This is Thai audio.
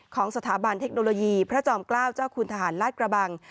ของสถาบันเทคโนโลยีพระจอมเกล้าเจ้าคุณทหารลาดกระบัง